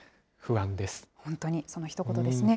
本当にそのひと言ですね。